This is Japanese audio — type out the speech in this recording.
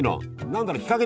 何だろう？